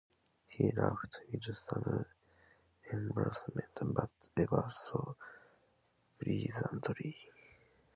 He laughed, with some embarrassment, but ever so pleasantly.